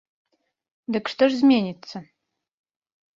Дык што ж зменіцца?